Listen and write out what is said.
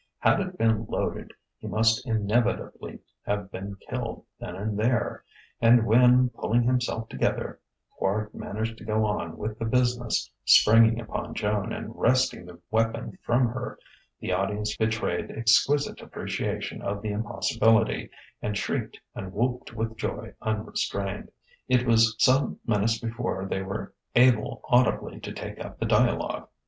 Had it been loaded he must inevitably have been killed then and there; and when, pulling himself together, Quard managed to go on with the business springing upon Joan and wresting the weapon from her the audience betrayed exquisite appreciation of the impossibility, and shrieked and whooped with joy unrestrained. It was some minutes before they were able audibly to take up the dialogue.